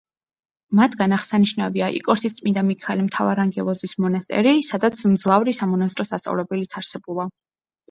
მათგან აღსანიშნავია იკორთის წმიდა მიქაელ მთავარანგელოზის მონასტერი, სადაც მძლავრი სამონასტრო სასწავლებელიც არსებულა.